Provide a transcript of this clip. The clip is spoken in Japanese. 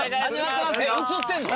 映ってんの？